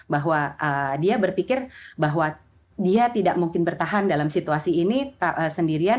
bahwa dia berpikir bahwa dia tidak mungkin bertahan dalam situasi ini sendirian